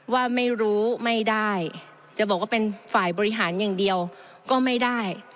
ว่าไม่รู้ไม่ได้จะบอกว่าเป็นฝ่ายบริหารอย่างเดียวก็ไม่ได้